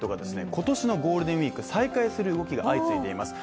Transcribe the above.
今年のゴールデンウイーク再開する動きが相次いでいます。